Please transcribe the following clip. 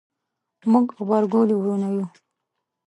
موږ غبرګولي وروڼه یو